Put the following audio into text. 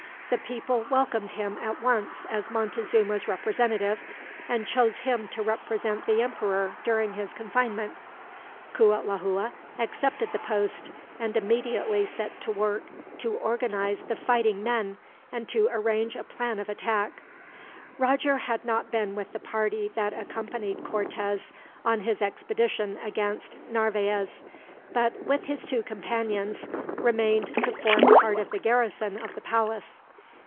The people welcomed him, at once, as Montezuma's representative; and chose him to represent the emperor during his confinement. Cuitlahua accepted the post, and immediately set to work to organize the fighting men, and to arrange a plan of attack. Roger had not been with the party that accompanied Cortez on his expedition against Narvaez; but, with his two companions, remained to form part of the garrison of the palace.